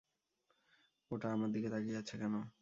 ওটা আমার দিকে তাকিয়ে আছে কেন?